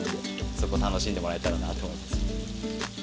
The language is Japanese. そこ楽しんでもらえたらなって思いますね。